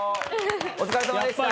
お疲れさまでした。